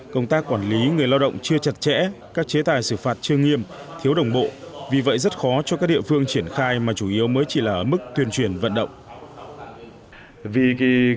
công tác quản lý người lao động chưa chặt chẽ các chế tài xử phạt chưa nghiêm thiếu đồng bộ vì vậy rất khó cho các địa phương triển khai mà chủ yếu mới chỉ là ở mức tuyên truyền vận động